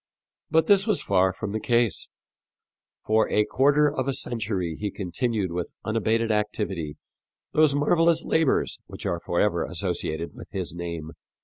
But this was far from the case. For a quarter of a century he continued with unabated activity those marvelous labors which are forever associated with his name.